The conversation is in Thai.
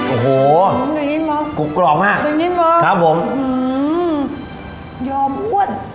โอ้โหกรูปกรอบมากครับผมอื้อยอมอ้วน